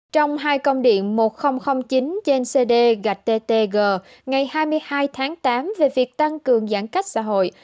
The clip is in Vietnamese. trong hai công điện một nghìn chín trên cd gạt ttg ngày hai mươi hai tháng tám về việc tăng cường giãn cách xã hội